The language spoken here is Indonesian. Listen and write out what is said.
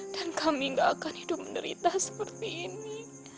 dan kami gak akan hidup menderita seperti ini